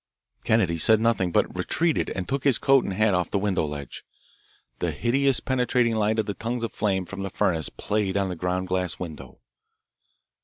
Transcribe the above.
Kennedy said nothing, but retreated and took his coat and hat off the window ledge. The hideous penetrating light of the tongues of flame from the furnace played on the ground glass window.